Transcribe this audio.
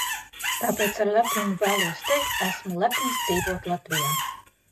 Tāpēc ar lepnumu vēlos teikt: esmu lepns dzīvot Latvijā!